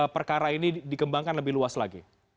perkara ini dikembangkan lebih luas lagi